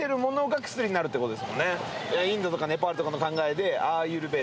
インドとかネパールとかの考えで。